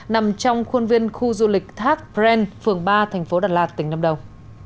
nằm trong khuôn viên khu du lịch thác brent phường ba thành phố đà lạt tỉnh lâm đồng